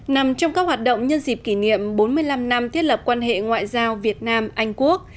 nằm trong các hoạt động nhân dịp kỷ niệm bốn mươi năm năm thiết lập quan hệ ngoại giao việt nam anh quốc